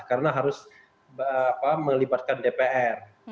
karena harus melibatkan dpr